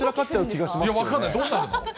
分かんない、どうなるの？